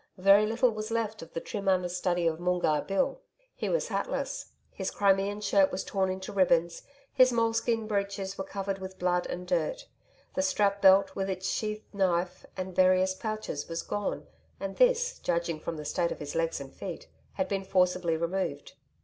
Very little was left of the trim understudy of Moongarr Bill. He was hatless; his Crimean shirt was torn into ribbons; his moleskin breeches were covered with blood and dirt; the strap belt, with its sheath knife and various pouches, was gone, and this, judging from the state of his legs and feet, had been forcibly removed.